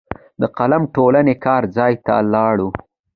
د قلم ټولنې کار ځای ته ولاړو.